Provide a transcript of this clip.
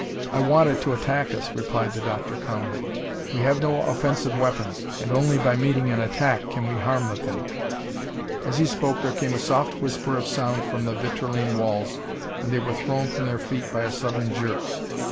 "I want it to attack us," replied the doctor calmly. "We have no offensive weapons and only by meeting an attack can we harm the thing." As he spoke there came a soft whisper of sound from the vitrilene walls and they were thrown from their feet by a sudden jerk. Dr.